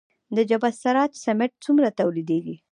د جبل السراج سمنټ څومره تولیدیږي؟